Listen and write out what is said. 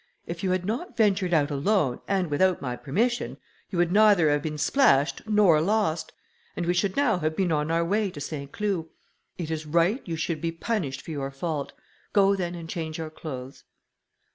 If you had not ventured out alone, and without my permission, you would neither have been splashed nor lost, and we should now have been on our way to Saint Cloud; it is right you should be punished for your fault; go then and change your clothes."